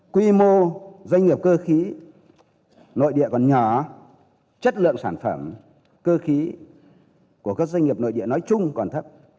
quy mô doanh nghiệp cơ khí nội địa còn nhỏ chất lượng sản phẩm cơ khí của các doanh nghiệp nội địa nói chung còn thấp